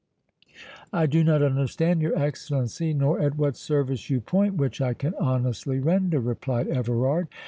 "I do not understand your Excellency, nor at what service you point, which I can honestly render," replied Everard.